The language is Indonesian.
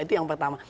itu yang pertama